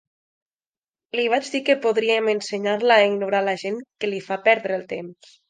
Li vaig dir que podríem ensenyar-la a ignorar la gent que li fa perdre el temps.